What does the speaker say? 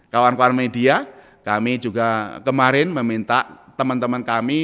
kawan kawan media kami juga kemarin meminta teman teman kami